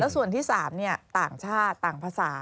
ส่วนที่๓ต่างชาติต่างภาษา